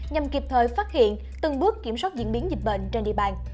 nhằm kịp thời phát hiện từng bước kiểm soát diễn biến dịch bệnh trên địa bàn